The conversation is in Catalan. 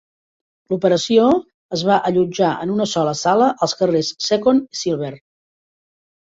L'operació es va allotjar en una sola sala als carrers Second i Silver.